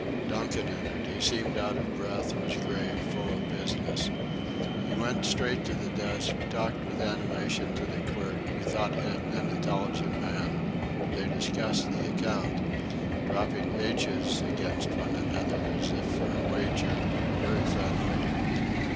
Donkin entered. He seemed out of breath, was grave, full of business. He went straight to the desk, talked with animation to the clerk, who thought him an intelligent man. They discussed the account, dropping h's against one another as if for a wager very friendly.